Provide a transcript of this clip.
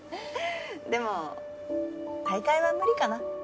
でも大会は無理かな。